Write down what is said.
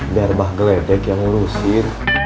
biar bah geledek yang ngurusin